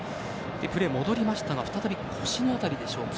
プレーに戻りましたが再び腰の辺りでしょうか。